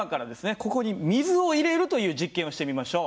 ここに水を入れるという実験をしてみましょう。